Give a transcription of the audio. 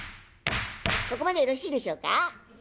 ここまでよろしいでしょうか？